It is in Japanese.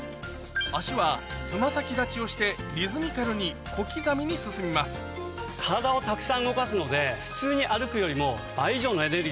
足はつま先立ちをしてリズミカルに小刻みに進みます体をたくさん動かすので普通に歩くよりも。